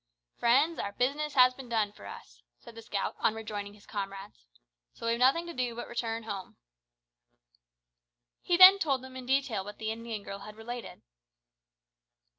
"Friends, our business has been done for us," said the scout on rejoining his comrades, "so we've nothing to do but return home." He then told them in detail what the Indian girl had related.